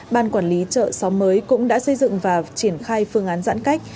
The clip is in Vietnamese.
ban quản lý chợ xóm mới cũng đã xây dựng và triển khai phương án giãn cách